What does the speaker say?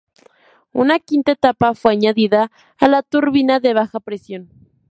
Una quinta etapa fue añadida a la turbina de baja presión.